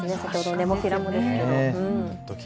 ネモフィラもですけど。